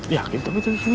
yakin tapi tadi sudah